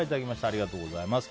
ありがとうございます。